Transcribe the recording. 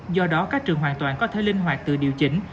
do đó các trường hoàn toàn có thể linh hoạt từ điều chỉnh